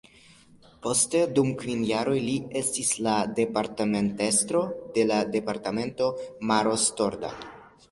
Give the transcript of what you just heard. Poste dum kvin jaroj li estis la departementestro de la departemento Maros-Torda.